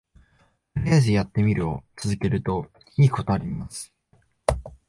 とりあえずやってみるを続けるといいことあります